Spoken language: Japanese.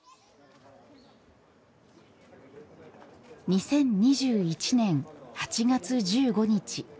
２０２１年８月１５日。